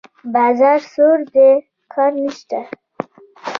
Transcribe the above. بازار سوړ دی؛ کار نشته.